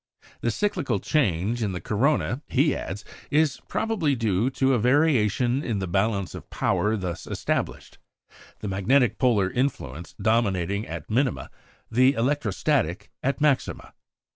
The cyclical change in the corona, he adds, is probably due to a variation in the balance of power thus established, the magnetic polar influence dominating at minima, the electrostatic at maxima.